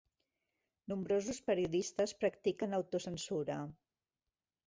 Nombrosos periodistes practiquen autocensura.